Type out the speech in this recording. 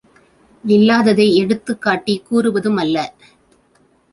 இல்லாததை எடுத்துக் காட்டிக் கூறுவதுமல்ல!